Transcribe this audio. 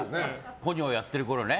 ポニョをやってるころね。